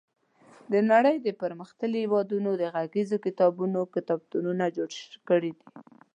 د نړۍ پرمختللي هېوادونو د غږیزو کتابونو کتابتونونه جوړ کړي دي.